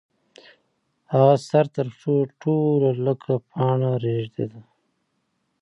هغه سر تر پښو ټوله لکه پاڼه رېږدېده.